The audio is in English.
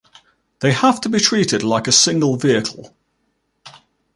They have to be treated like a single vehicle.